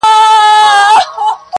شپه او ورځ به په رنځور پوري حیران وه٫